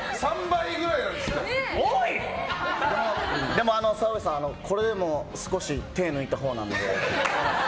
でも澤部さん、これでも少し手を抜いたほうなんで。